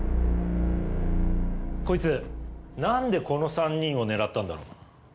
こいつ何でこの３人を狙ったんだろう？